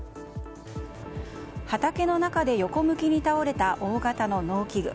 畑の中で横向きに倒れた大型の農機具。